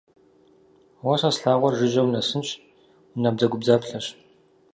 Уэ сэ слъагъур жыжьэ унэсынщ, унабдзэгубдзаплъэщ!